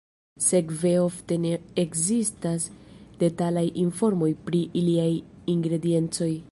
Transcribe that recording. Sekve ofte ne ekzistas detalaj informoj pri iliaj ingrediencoj.